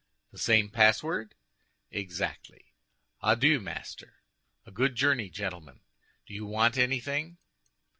"The same password?" "Exactly." "Adieu, master!" "A good journey, gentlemen! Do you want anything?"